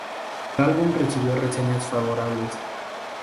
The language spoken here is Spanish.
El álbum recibió reseñas favorables.